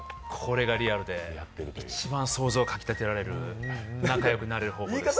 これがリアルで、一番想像をかきたてられる仲良くなれる方法です。